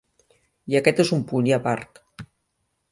I aquest és un punt i a part.